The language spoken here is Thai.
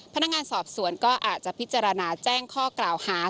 พนักงานสอบสวนก็อาจจะพิจารณาแจ้งข้อกล่าวหา